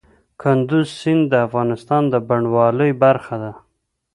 کندز سیند د افغانستان د بڼوالۍ برخه ده.